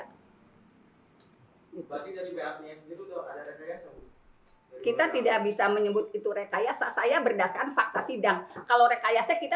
hai kita tidak bisa menyebut itu rekayasa saya berdasarkan fakta sidang kalau rekayasa kita